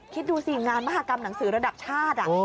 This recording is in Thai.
คิดดูสิงานมหากรรมหนังสือระดับชาติ